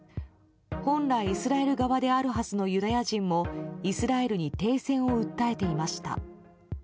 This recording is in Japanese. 本来イスラエル側であるはずのユダヤ人もイスラエルに停戦を訴えていました。